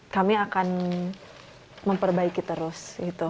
kami akan memperbaiki terus